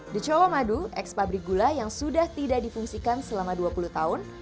the colomadu eks pabrik gula yang sudah tidak difungsikan selama dua puluh tahun